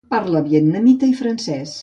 Parla vietnamita i francès.